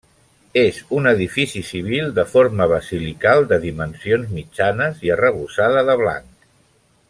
És un edifici civil de forma basilical de dimensions mitjanes i arrebossada de blanc.